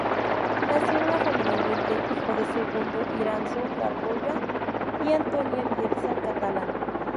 Nació en una familia humilde, hijo de Segundo Iranzo Gargallo y Antonia Bielsa Catalán.